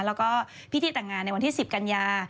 แล้วก็พิธีแต่งงานในวันที่๑๐กันยา